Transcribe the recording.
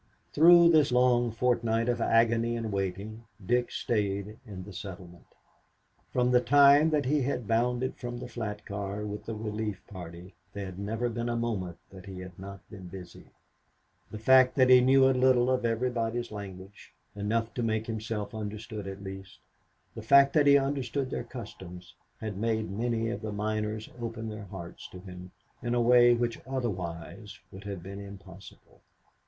Through this long fortnight of agony and waiting, Dick stayed in the settlement. From the time that he had bounded from the flat car with the relief party there had never been a moment that he had not been busy. The fact that he knew a little of everybody's language, enough to make himself understood at least; the fact that he understood their customs, had made many of the miners open their hearts to him in a way which otherwise would have been impossible.